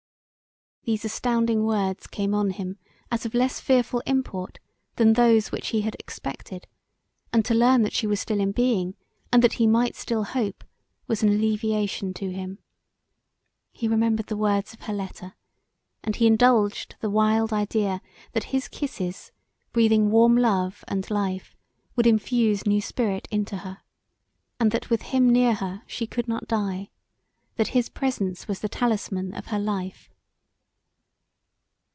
These astounding words came on him as of less fearful import than those which he had expected; and to learn that she was still in being, and that he might still hope was an alleviation to him. He remembered the words of her letter and he indulged the wild idea that his kisses breathing warm love and life would infuse new spirit into her, and that with him near her she could not die; that his presence was the talisman of her life.